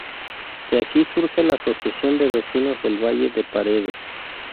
De aquí surge la Asociación de Vecinos del Valle de Paredes.